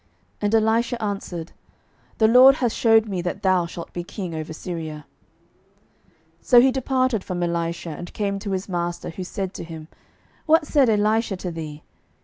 And Elisha answered, The LORD hath shewed me that thou shalt be king over Syria. 12:008:014 So he departed from Elisha, and came to his master; who said to him, What said Elisha to thee?